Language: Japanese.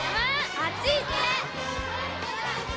あっち行って！